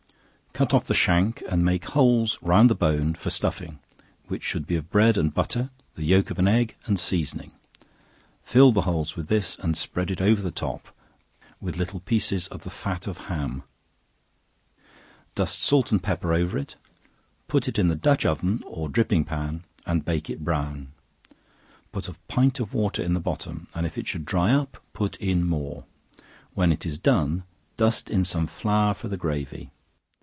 Cut off the shank, and make holes round the hone for stuffing, which should be of bread and butter, the yelk of an egg, and seasoning; fill the holes with this, and spread it over the top, with little pieces of the fat of ham; dust salt and pepper over, put it in the dutch oven, or dripping pan, and bake it brown; put a pint of water in the bottom, and if it should dry up, put in more; when it is done, dust in some flour for the gravy.